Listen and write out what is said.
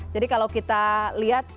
jadi kalau kita lihat